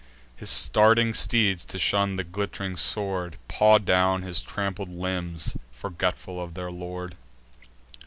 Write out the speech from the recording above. His starting steeds, to shun the glitt'ring sword, Paw down his trampled limbs, forgetful of their lord.